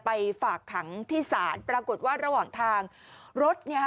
ไปฝากขังที่ศาลปรากฏว่าระหว่างทางรถเนี่ยค่ะ